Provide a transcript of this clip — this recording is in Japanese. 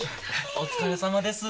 お疲れさまです。